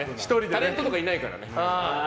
タレントとかいないからね。